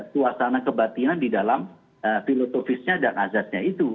suasana kebatinan di dalam filosofisnya dan azasnya itu